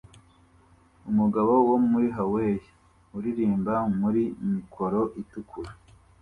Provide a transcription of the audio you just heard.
Umugabo wo muri Hawayi uririmba muri mikoro itukura